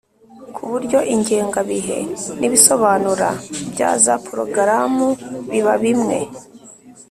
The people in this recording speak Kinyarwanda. ku buryo ingengabihe n'ibisobanuro bya za porogaramu biba bimwe,